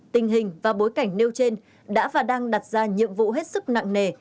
tình hình và bối cảnh nêu trên đã và đang đặt ra nhiệm vụ hết sức nặng nề